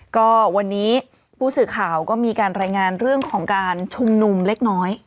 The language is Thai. ก็วันนี้ผู้สื่อข่าวก็มีการรายงานเรื่องของการชุมนุมเล็กน้อย